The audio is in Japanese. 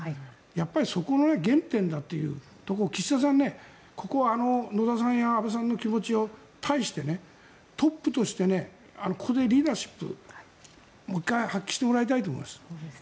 やっぱりそこの原点だというところを岸田さん、ここは野田さんや安倍さんの気持ちに対してトップとしてここでリーダーシップもう１回発揮してもらいたいと思います。